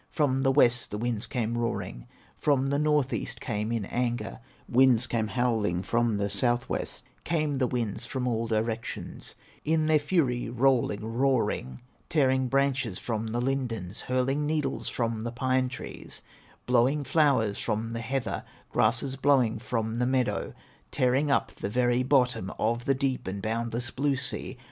From the west the winds came roaring, From the north east came in anger, Winds came howling from the south west, Came the winds from all directions, In their fury, rolling, roaring, Tearing branches from the lindens, Hurling needles from the pine trees, Blowing flowers from the heather, Grasses blowing from the meadow, Tearing up the very bottom Of the deep and boundless blue sea.